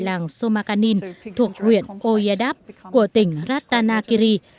làng somakanin thuộc huyện oyedap của tỉnh ratanakiri